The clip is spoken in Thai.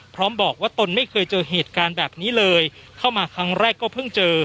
พร้อมบอกว่าตนไม่เคยเจอเหตุการณ์แบบนี้เลยเข้ามาครั้งแรกก็เพิ่งเจอ